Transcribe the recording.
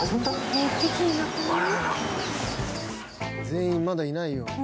全員まだいないよ。